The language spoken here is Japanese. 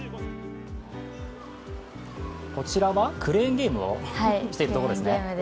こちらはクレーンゲームをしているところですね。